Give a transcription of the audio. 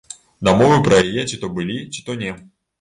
Дамовы пра яе ці то былі, ці то не.